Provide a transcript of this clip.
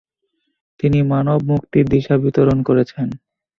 তিনি মানব মুক্তির দিশা বিতরণ করেছেন।